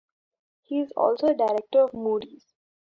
He is also a director of Moody's.